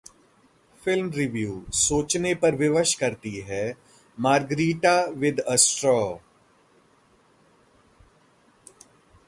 Film Review: सोचने पर विवश करती है 'मार्गरिटा विद अ स्ट्रॉ'